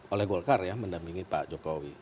oleh golkar ya mendampingi pak jokowi